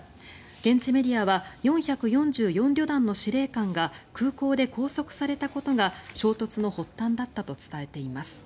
現地メディアは４４４旅団の司令官が空港で拘束されたことが衝突の発端だったと伝えています。